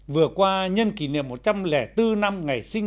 vừa qua nhân kỷ niệm một trăm linh bốn năm ngày sinh